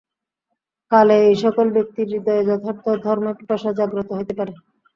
কালে এই-সকল ব্যক্তির হৃদয়ে যথার্থ ধর্মপিপাসা জাগ্রত হইতে পারে।